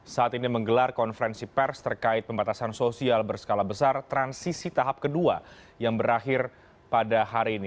saat ini menggelar konferensi pers terkait pembatasan sosial berskala besar transisi tahap kedua yang berakhir pada hari ini